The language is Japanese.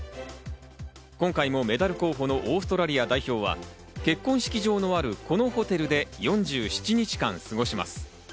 今回もメダル候補のオーストラリア代表は結婚式場のあるこのホテルで４７日間、過ごします。